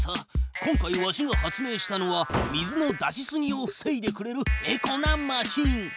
今回わしが発明したのは水の出しすぎをふせいでくれるエコなマシーン。